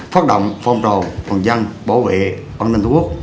phát động phong trồ quân dân bảo vệ an ninh thủ quốc